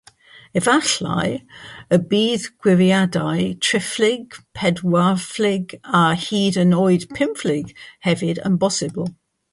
Efallai y bydd gwiriadau triphlyg, pedwarplyg a hyd yn oed pymplyg hefyd yn bosibl.